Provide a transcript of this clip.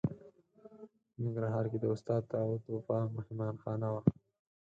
په ننګرهار کې د استاد داود وفا مهمانه خانه وه.